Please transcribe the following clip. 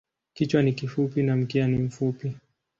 Kichwa ni kifupi na mkia ni mfupi.